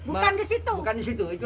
bukan di situ itu delapan ulu